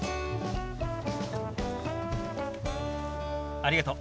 ありがとう。